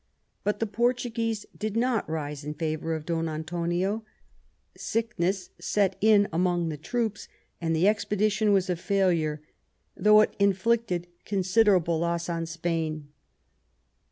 But the Portuguese did not rise in favour of Don Antonio ; sickness set in among the troops and the expedition was a failure, though it inflicted considerable loss on Spain.